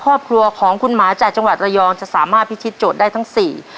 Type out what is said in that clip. ครอบครัวของคุณหมาจากจังหวัดระยองจะสามารถพิธีโจทย์ได้ทั้งสี่